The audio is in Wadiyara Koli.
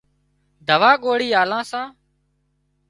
دوا ڳوۯِي آلان سان